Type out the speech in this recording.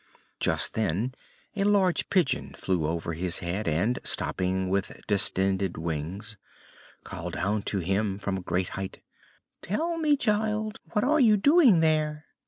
Just then a large Pigeon flew over his head and, stopping with distended wings, called down to him from a great height: "Tell me, child, what are you doing there?"